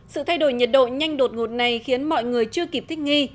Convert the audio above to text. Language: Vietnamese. sự thay đổi nhiệt độ nhanh đột ngột này khiến mọi người chưa kịp thích nghi